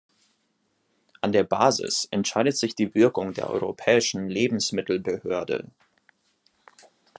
An der Basis entscheidet sich die Wirkung der Europäischen Lebensmittelbehörde.